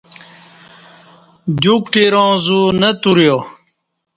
دیوکٹیراں زو نہ توریا